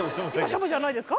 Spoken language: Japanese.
シャバじゃないですか？